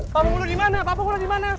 papung hulu dimana papung hulu dimana